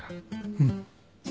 うん。